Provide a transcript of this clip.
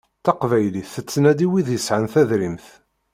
Taqbaylit tettnadi wid yesɛan tadrimt.